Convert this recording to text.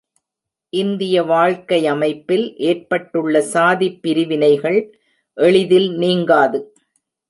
இந்திய வாழ்க்கையமைப்பில் ஏற்பட்டுள்ள சாதிப் பிரிவினைகள் எளிதில் நீங்காது.